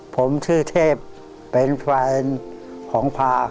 ผมชื่อเทพเป็นแฟนของพา